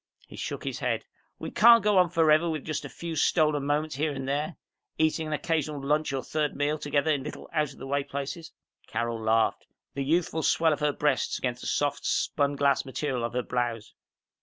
He shook his head. "We can't go on forever with just a few stolen moments here and there, eating an occasional lunch or third meal together in little out of the way places." Carol laughed, the youthful swell of her breasts against the soft, spun glass material of her blouse.